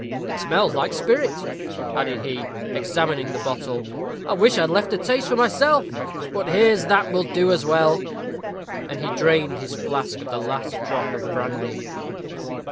It smells like spirit," added he, examining the bottle. "I wish I'd left a taste for myself. But here's that will do as well." And he drained his flask of the last drop of brandy.